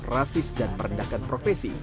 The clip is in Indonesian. rasis dan merendahkan profesi